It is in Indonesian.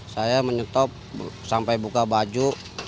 saya menyetop sampai buka baju